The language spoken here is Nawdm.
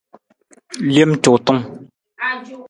Lem cuutung.